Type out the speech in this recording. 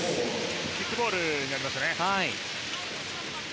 キックボールになりましたね。